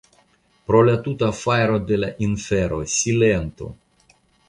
Pro la tuta fajro de la infero, silentu!